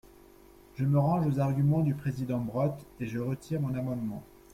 Je me range aux arguments du président Brottes, et je retire mon amendement.